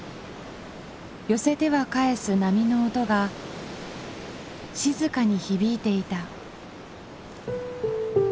寄せては返す波の音が静かに響いていた。